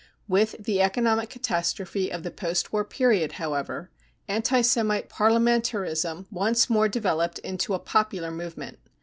With the economic catastrophe of the post war period, however, anti Semite parliamentarism once more developed into a " popular movement.